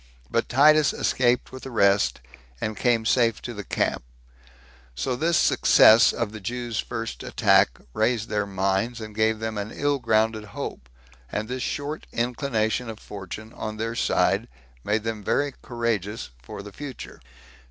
But Titus escaped with the rest, and came safe to the camp. So this success of the Jews' first attack raised their minds, and gave them an ill grounded hope; and this short inclination of fortune, on their side, made them very courageous for the future.